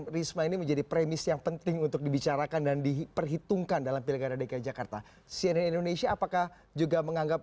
risma menjadi pembahasan kami dalam segmen editorial view berikut ini